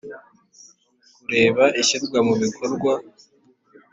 kureba ishyirwa mu bikorwa